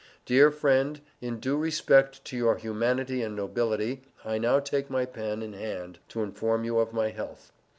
Dear friend in due respect to your humanity and nobility I now take my pen in hand to inform you of my health.